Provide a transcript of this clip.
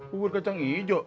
bubur kacang ijo